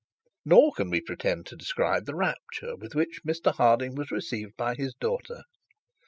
Nor can we pretend to describe the rapture with which Mr Harding was received by his daughter.